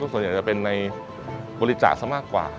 ส่วนใหญ่จะเป็นในบริจาคซะมากกว่า